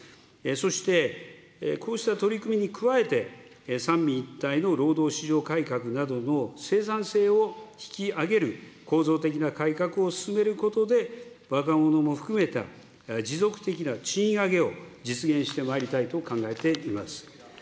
そして、こうした取り組みに加えて、三位一体の労働市場改革などの生産性を引き上げる構造的な改革を進めることで、若者も含めた持続的な賃上げを実現してまいりたいと考えています。